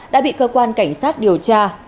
đã bị cơ quan cảnh sát điều tra